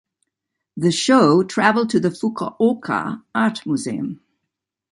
The show traveled to the Fukuoka Art Museum.